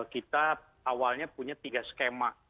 kita awalnya punya tiga skema